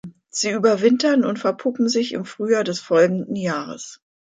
Sie überwintern und verpuppen sich im Frühjahr des folgenden Jahres.